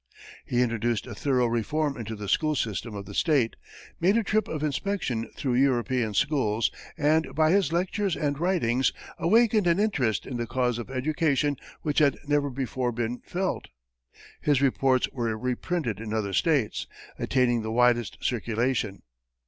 He introduced a thorough reform into the school system of the state, made a trip of inspection through European schools, and by his lectures and writings awakened an interest in the cause of education which had never before been felt. His reports were reprinted in other states, attaining the widest circulation.